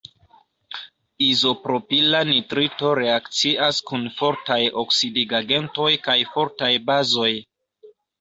Izopropila nitrito reakcias kun fortaj oksidigagentoj kaj fortaj bazoj.